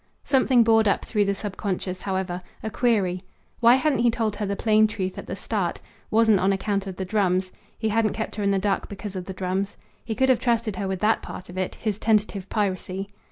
Something bored up through the subconscious, however a query. Why hadn't he told her the plain truth at the start? Wasn't on account of the drums. He hadn't kept her in the dark because of the drums. He could have trusted her with that part of it his tentative piracy.